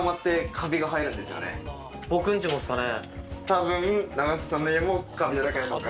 多分。